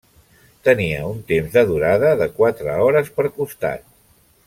Tenia un temps de durada de quatre hores per costat.